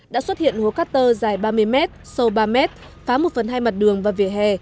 đã xuất hiện hố cát tơ dài ba mươi mét sâu ba mét phá một phần hai mặt đường và vỉa hè